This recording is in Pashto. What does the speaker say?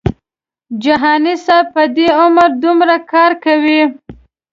جهاني صاحب په دې عمر دومره کار کوي.